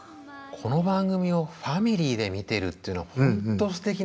この番組をファミリーで見てるっていうのは本当すてきな体験になりますよね。